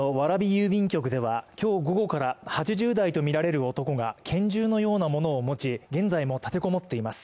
郵便局では今日、午後から８０代とみられる男が拳銃のようなものを持ち、現在も立てこもっています。